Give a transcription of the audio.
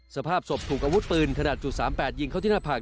สภาพศพถูกอาวุธปืนขนาด๓๘ยิงเข้าที่หน้าผาก